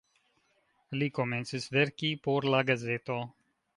Li komencis verki por la gazeto.